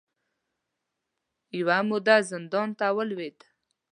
یوه موده زندان ته ولوېد